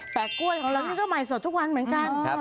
แต่กล้วยของเรานี่ก็ใหม่สดทุกวันเหมือนกัน